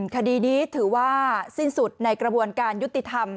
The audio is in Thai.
คดีนี้ถือว่าสิ้นสุดในกระบวนการยุติธรรม